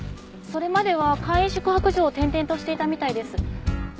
それまでは簡易宿泊所を転々としていたみたいです。